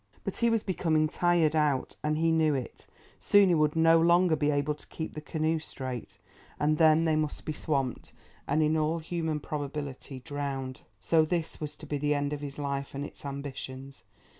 But he was becoming tired out and he knew it. Soon he would no longer be able to keep the canoe straight, and then they must be swamped, and in all human probability drowned. So this was to be the end of his life and its ambitions.